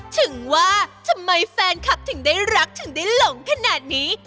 ถึงว่าทำไมแฟนคลับถึงได้รักถึงได้หลงขนาดนี้